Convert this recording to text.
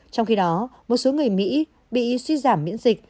trong khi đó một số người mỹ bị suy giảm miễn dịch